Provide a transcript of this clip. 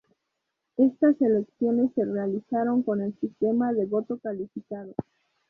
Estas elecciones se realizaron con el sistema de "voto calificado".